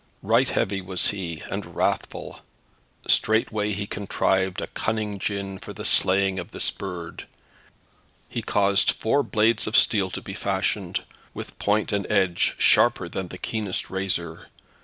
Right heavy was he and wrathful. Straightway he contrived a cunning gin for the slaying of this bird. He caused four blades of steel to be fashioned, with point and edge sharper than the keenest razor.